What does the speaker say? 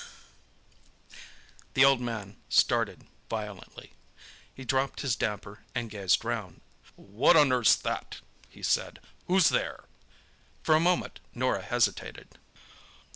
The old man started violently. He dropped his damper and gazed round. "What on earth's that?" he said. "Who's there?" For a moment Norah hesitated.